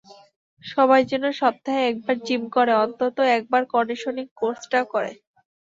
সবাই যেন সপ্তাহে একবার জিম করে, অন্তত একবার কন্ডিশনিং কোর্সটা করে।